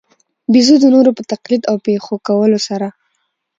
بېزو د نورو په تقلید او پېښو کولو سره.